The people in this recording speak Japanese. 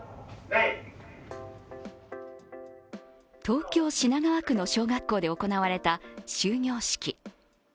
東京・品川区の小学校で行われた終業式。